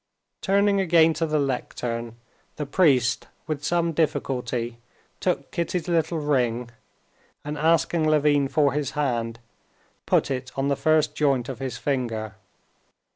Turning again to the lectern, the priest with some difficulty took Kitty's little ring, and asking Levin for his hand, put it on the first joint of his finger.